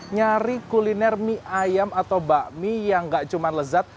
nyari kuliner mie ayam atau bakmi yang gak cuma lezat